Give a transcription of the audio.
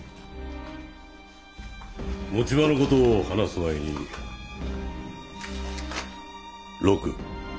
持ち場の事を話す前に六。